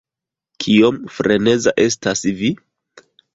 Kiom "freneza" estas vi?